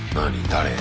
誰？